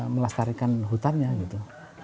melestarikan hutannya gitu